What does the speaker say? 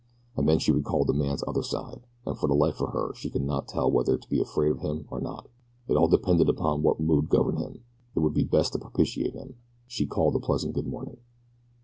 And then she recalled the man's other side, and for the life of her she could not tell whether to be afraid of him or not it all depended upon what mood governed him. It would be best to propitiate him. She called a pleasant good morning.